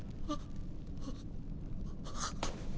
あっ。